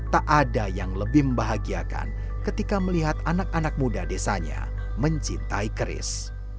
tak ada yang lebih membahagiakan ketika melihat anak anak muda desanya mencintai keris